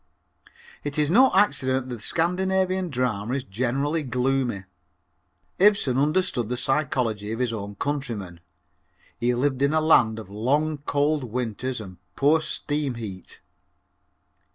It is no accident that the Scandinavian drama is generally gloomy. Ibsen understood the psychology of his countrymen. He lived in a land of long cold winters and poor steam heat.